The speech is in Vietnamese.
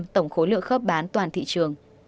một mươi hai tổng khối lượng khớp bán toàn thị trường